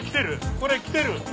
これきてる。